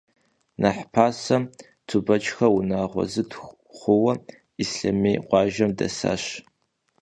Нэхъ пасэм, Тубэчхэ унагъуэ зытхух хъууэ, Ислъэмей къуажэм дэсащ.